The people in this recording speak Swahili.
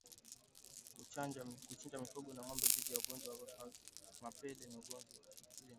Kuchanja mifugo ya ngombe dhidi ya ugonjwa wa mapele ya ngozi hukabiliana nao